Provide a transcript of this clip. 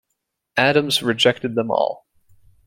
Adams rejected them all.